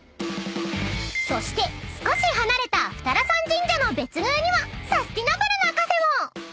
［そして少し離れた二荒山神社の別宮にはサスティナブルなカフェも］